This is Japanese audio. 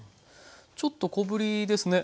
ちょっと小ぶりですね。